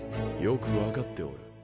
よくわかっておる。